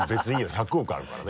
１００億あるからね。